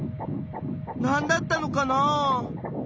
何だったのかなあ？